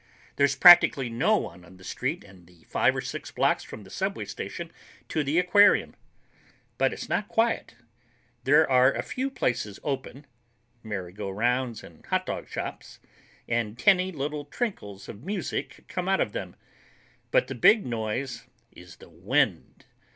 There's practically no one on the street in the five or six blocks from the subway station to the aquarium. But it's not quiet. There are a few places open—merry go rounds and hot dog shops—and tinny little trickles of music come out of them, but the big noise is the wind.